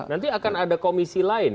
nanti akan ada komisi lain